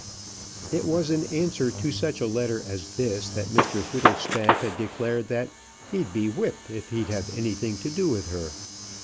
It was in answer to such a letter as this, that Mr Whittlestaff had declared that "He'd be whipped if he'd have anything to do with her."